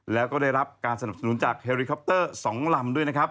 แล้วก็ได้รับการสนับสนุนจากเฮลิคอปเตอร์๒ลำด้วยนะครับ